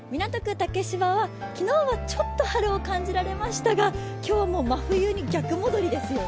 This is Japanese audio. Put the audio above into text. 竹芝は昨日はちょっと春を感じられましたが今日はもう真冬に逆戻りですよね。